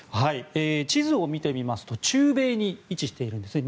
地図を見てみますと中米に位置しているんですね。